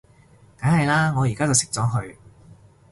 梗係喇，我而家就熄咗佢